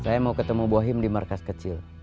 saya mau ketemu bohim di markas kecil